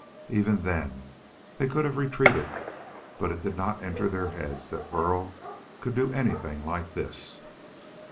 Even then they could have retreated, but it did not enter their heads that Burl could do anything like this.